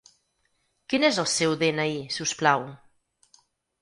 Quin és el seu de-ena-i si us plau?